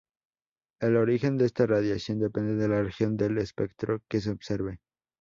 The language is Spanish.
El origen de esta radiación depende de la región del espectro que se observe.